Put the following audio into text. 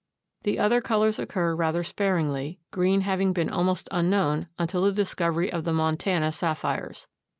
The other colors occur rather sparingly, green having been almost unknown until the discovery of the Montana sapphires.